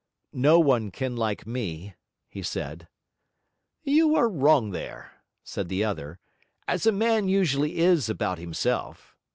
'No one can like me,' he said. 'You are wrong there,' said the other, 'as a man usually is about himself.